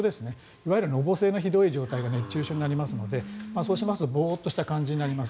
いわゆる、のぼせのひどい状態が熱中症になりますのでそうしますとボーッとした感じになります。